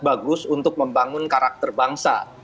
bagus untuk membangun karakter bangsa